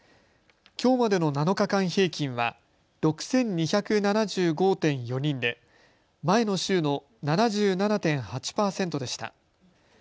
きょうまでの７日間平均は６２７５．４人で前の週の７７．８％でした。